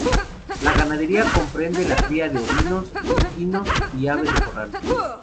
La ganadería comprende la cría de ovinos, equinos y aves de corral.